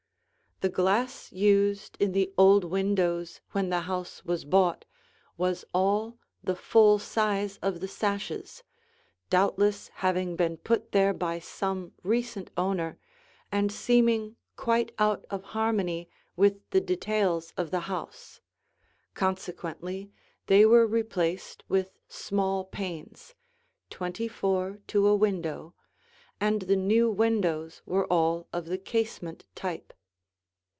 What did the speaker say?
The glass used in the old windows when the house was bought was all the full size of the sashes, doubtless having been put there by some recent owner and seeming quite out of harmony with the details of the house; consequently they were replaced with small panes, twenty four to a window, and the new windows were all of the casement type.